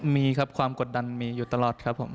มีครับความกดดันมีอยู่ตลอดครับผม